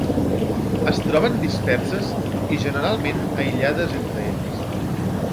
Es troben disperses i generalment aïllades entre elles.